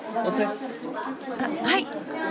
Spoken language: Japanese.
あっはい。